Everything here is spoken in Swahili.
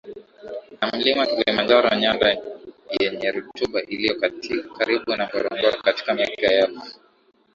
na Mlima Kilimanjaro nyanda yenye rutuba iliyo karibu na Ngorongoro katika miaka ya elfu